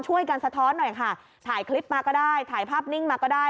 สะท้อนหน่อยค่ะถ่ายคลิปมาก็ได้ถ่ายภาพนิ่งมาก็ได้